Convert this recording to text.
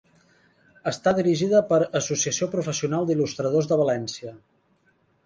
Està dirigida per Associació Professional d'Il·lustradors de València.